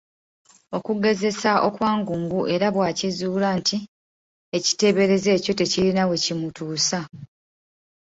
Okugezesa okwangungu era bw’akizuula nti ekiteeberezo ekyo tekirina we kimutuusa.